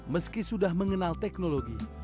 meski sudah mengenal teknologi